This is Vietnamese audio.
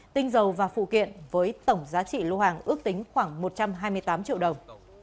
tinh dầu và phụ kiện với tổng giá trị lô hàng ước tính khoảng một trăm hai mươi tám triệu đồng